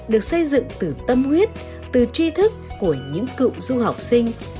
được xây dựng từ tâm huyết từ tri thức của những cựu du học sinh